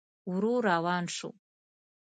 ورو روان شو.